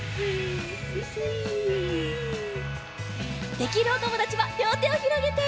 できるおともだちはりょうてをひろげて！